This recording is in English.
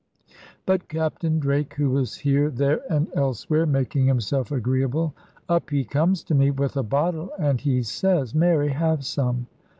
But Captain Drake, who was here, there, and elsewhere, making himself agreeable, up he comes to me with a bottle, and he says, 'Mary, have some.'